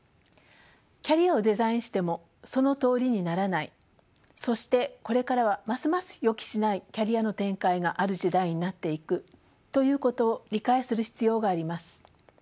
キャリアをデザインしてもそのとおりにならないそしてこれからはますます予期しないキャリアの展開がある時代になっていくということを理解する必要があります。